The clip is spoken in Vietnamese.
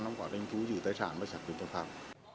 nó quá trình chú trị tài sản và xác minh cho pháp